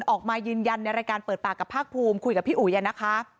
ออกมายืนยันในรายการเปิดปากกับภาคภูมิคุยกับพี่อุ๋ยนะคะ